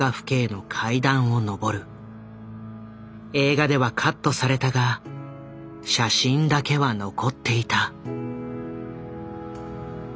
映画ではカットされたが写真だけは残っていた。